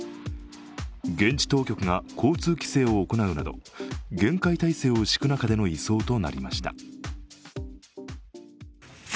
現地当局が交通規制を行うなど、厳戒態勢を敷く中での移送となりました。